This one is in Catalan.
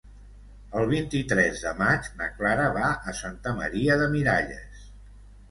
El vint-i-tres de maig na Clara va a Santa Maria de Miralles.